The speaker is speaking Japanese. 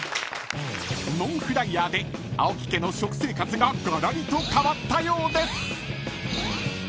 ［ノンフライヤーで青木家の食生活ががらりと変わったようです］